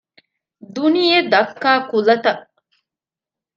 ދުނިޔެ ދައްކާ ކުލަތައް